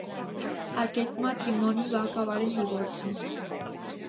Aquest matrimoni va acabar en divorci.